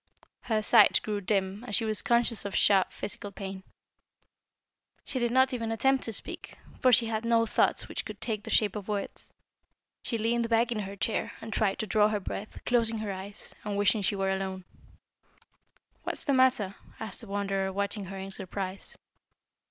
Her sight grew dim and she was conscious of sharp physical pain. She did not even attempt to speak, for she had no thoughts which could take the shape of words. She leaned back in her chair, and tried to draw her breath, closing her eyes, and wishing she were alone. "What is the matter?" asked the Wanderer, watching her in surprise.